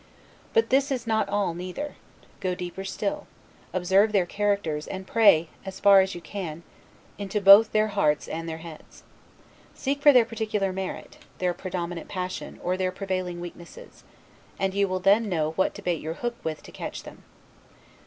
But this is not all neither; go deeper still; observe their characters, and pray, as far as you can, into both their hearts and their heads. Seek for their particular merit, their predominant passion, or their prevailing weakness; and you will then know what to bait your hook with to catch them.